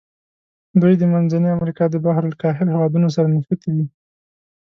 دوی د منځني امریکا د بحر الکاهل هېوادونو سره نښتي دي.